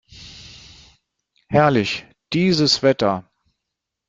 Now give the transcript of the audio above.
Herrlich, dieses Wetter!